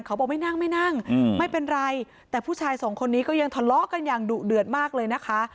บอกไม่นั่งไม่นั่งไม่เป็นไรแต่ผู้ชายสองคนนี้ก็ยังทะเลาะกันอย่างดุเดือดมากเลยนะคะ